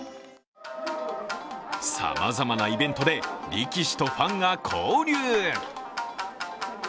さまざまなイベントで力士とファンが交流。